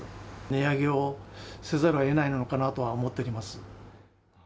値上げをせざるをえないのかなとは思っております。